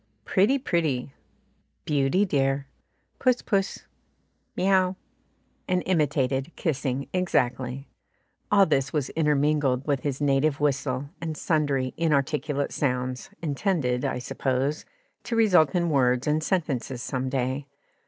"Pretty, pretty," "Beauty, dear," "Puss, puss," "Miaow," and imitated kissing exactly. All this was intermingled with his native whistle and sundry inarticulate sounds, intended, I suppose, to result in words and sentences some day.